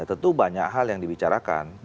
tentu banyak hal yang dibicarakan